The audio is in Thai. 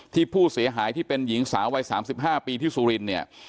ที่ผู้เสียหายที่เป็นหญิงสาววัย๓๕ปีที่สุรินเนี่ย